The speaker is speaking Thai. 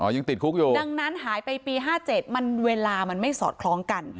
ยังติดคุกอยู่ดังนั้นหายไปปี๕๗มันเวลามันไม่สอดคล้องกัน